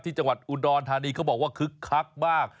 จังหวัดอุดรธานีเขาบอกว่าคึกคักมาก